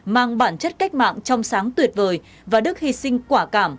mang bản chất cách mạng trong sáng tuyệt vời và đức hy sinh quả cảm